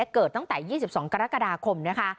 เกิดตั้งแต่๒๒กรกฎาคมนะคะ